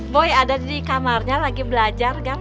boy ada di kamarnya lagi belajar kan